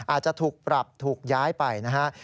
อาจจะถูกปรับถูกย้ายไปนะฮะ